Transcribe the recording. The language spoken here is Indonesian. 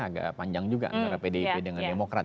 agak panjang juga antara pdip dengan demokrat